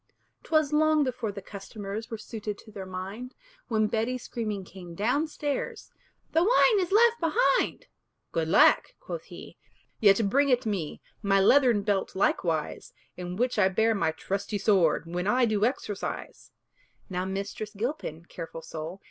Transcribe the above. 'Twas long before the customers Were suited to their mind, When Betty screaming came down stairs, "The wine is left behind!" "Good lack!" quoth he "yet bring it me My leathern belt likewise, In which I bear my trusty sword When I do exercise." Now Mistress Gilpin (careful soul!)